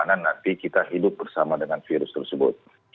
hidupan di mana nanti kita hidup bersama dengan virus tersebut